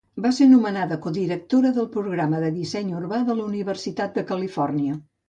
Va ser nomenada codirectora del Programa de Disseny Urbà de la Universitat de Califòrnia.